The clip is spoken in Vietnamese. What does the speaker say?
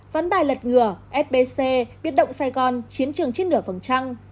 vấn bài lật ngửa sbc biết động sài gòn chiến trường chiến nửa phần trăng